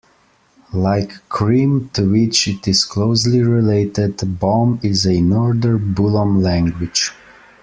Like Krim, to which it is closely related, Bom is a Northern Bullom language.